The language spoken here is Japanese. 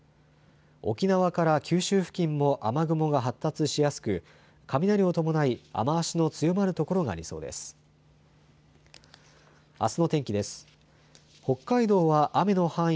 沖縄から九州付近も雨雲が発達しやすく雷を伴い雨足の強まる所がありそうです。